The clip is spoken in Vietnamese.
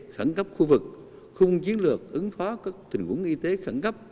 khẳng cấp khu vực khung chiến lược ứng phó các tình huống y tế khẳng cấp